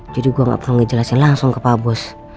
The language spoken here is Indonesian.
jadi gue gak perlu ngejelasin langsung ke pak bos